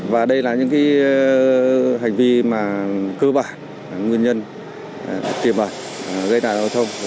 và đây là những hành vi cơ bản nguyên nhân tiềm bẩn gây nạn giao thông